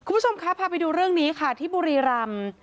คุณผู้ชมครับพาไปดูเรื่องนี้ค่ะที่บุรีรำ